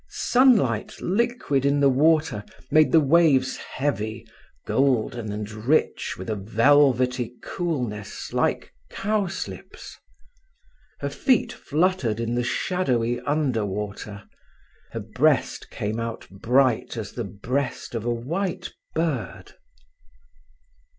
Sunlight liquid in the water made the waves heavy, golden, and rich with a velvety coolness like cowslips. Her feet fluttered in the shadowy underwater. Her breast came out bright as the breast of a white bird.